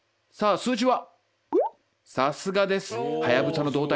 「数字は？」。